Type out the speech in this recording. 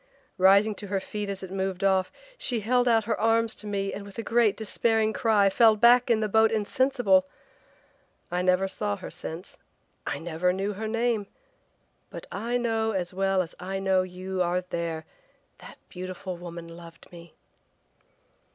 Rising to her feet as it moved off, she held out her arms to me and with a great despairing cry fell back in the boat insensible! I never saw her since, I never knew her name, but I know as well as I know you are there that beautiful woman loved me!"